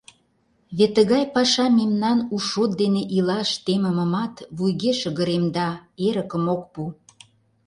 Вет тыгай паша мемнан у шот дене илаш темымымат вуйге шыгыремда, эрыкым ок пу.